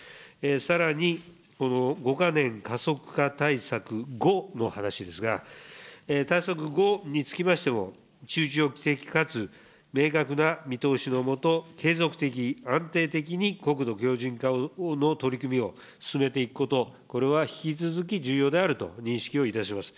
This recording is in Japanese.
さらにこの５か年加速化対策後の話ですが、対策後につきましても、中長期的かつ明確な見通しのもと、継続的、安定的に国土強じん化の取り組みを進めていくこと、これは引き続き重要であると認識をいたします。